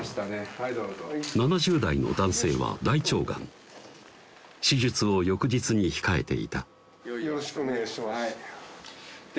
はいどうぞ７０代の男性は大腸がん手術を翌日に控えていたよろしくお願いします